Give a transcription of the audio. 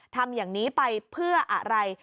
ทำอย่างนี้ไปเพื่ออะไร